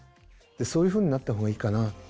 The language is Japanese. そういうふうになったほうがいいかな。